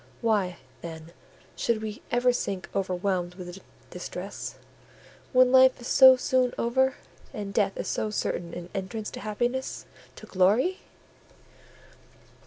Why, then, should we ever sink overwhelmed with distress, when life is so soon over, and death is so certain an entrance to happiness—to glory?"